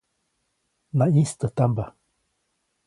Naʼyĩstäjtampa.